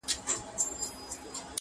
• د جینکیو ارمان څۀ ته وایي,